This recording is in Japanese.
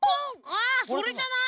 あそれじゃない？